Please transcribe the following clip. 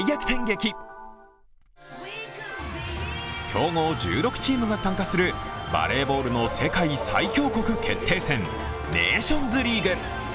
強豪１６チームが参加するバレーボールの世界最強国決定戦ネーションズリーグ。